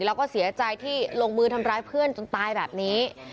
แล้วก็เสียใจที่ลงมือทำร้ายเพื่อนจนตายแบบนี้